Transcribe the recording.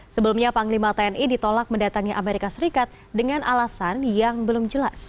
sebelumnya panglima tni ditolak mendatangi amerika serikat dengan alasan yang belum jelas